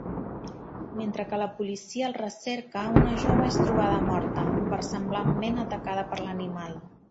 Mentre que la policia el recerca, una jove és trobada morta, versemblantment atacada per l'animal.